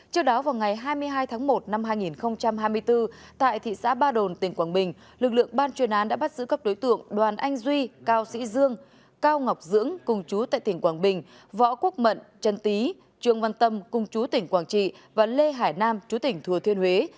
trước đó vào ngày hai mươi hai tháng một năm hai nghìn hai mươi bốn tại thị xã ba đồn tỉnh quảng bình lực lượng ban chuyên án đã bắt giữ các đối tượng đoàn anh duy cao sĩ dương cao ngọc dưỡng cùng chú tại tỉnh quảng bình võ quốc mận trần tý trường văn tâm cùng chú tỉnh quảng trị và lê hải nam chú tỉnh thừa thiên huế